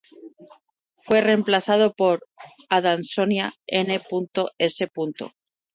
Fue reemplazado por "Adansonia, n.s.